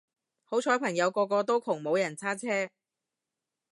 好彩朋友個個都窮冇人揸車